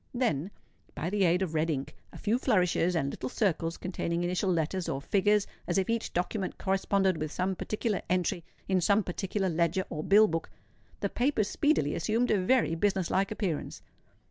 Then, by the aid of red ink, a few flourishes, and little circles containing initial letters or figures as if each document corresponded with some particular entry in some particular leger or bill book, the papers speedily assumed a very business like appearance.